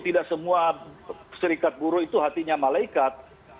tidak semua serikat buruh itu hatinya malaikat